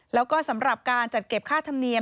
แล้วก็สำหรับการจัดเก็บค่าธรรมเนียม